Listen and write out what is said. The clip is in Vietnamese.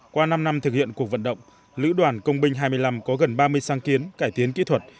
qua năm năm thực hiện cuộc vận động lữ đoàn công binh hai mươi năm có gần ba mươi sáng kiến cải tiến kỹ thuật